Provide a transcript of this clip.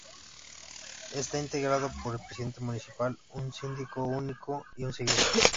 Está integrado por el Presidente Municipal, un Síndico único y un regidor.